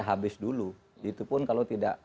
habis dulu itu pun kalau tidak